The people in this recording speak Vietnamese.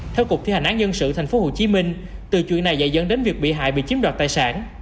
theo cục thi hành án dân sự tp hcm từ chuyện này dạy dẫn đến việc bị hại bị chiếm đoạt tài sản